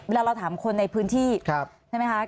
เราถามคนในพื้นที่ใช่ไหมคะ